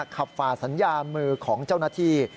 ฝ่าสัญญามือของเจ้าหน้าที่